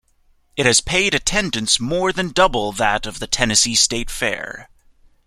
It has paid attendance more than double that of the Tennessee State Fair.